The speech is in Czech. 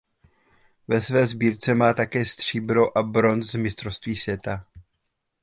Ve své sbírce má také stříbro a bronz z mistrovství světa.